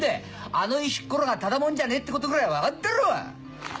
あの石っころがタダもんじゃねえってことぐらい分かっだろ！